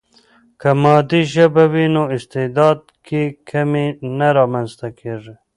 که مادي ژبه وي، نو استعداد کې کمی نه رامنځته کیږي.